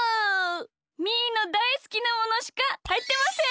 みーのだいすきなものしかはいってません！